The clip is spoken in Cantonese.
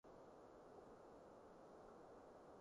夏至係一年日照時間最長嘅一日